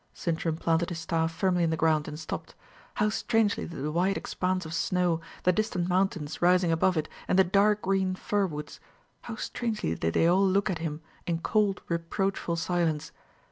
Sintram planted his staff firmly in the ground, and stopped. How strangely did the wide expanse of snow, the distant mountains rising above it, and the dark green fir woods how strangely did they all look at him in cold reproachful silence!